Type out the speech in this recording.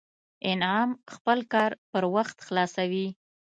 انعام خپل کار پر وخت خلاصوي